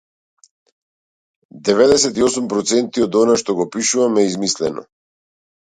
Деведесет и осум проценти од она што го пишувам е измислено.